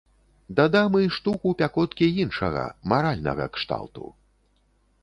Дадам і штуку пякоткі іншага, маральнага кшталту.